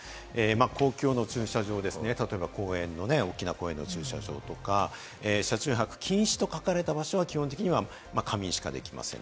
公共の駐車場、例えば大きな公園とか、車中泊禁止と書かれている場所は基本的に仮眠しかできません。